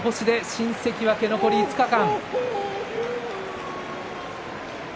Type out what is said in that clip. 新関脇残り５日間。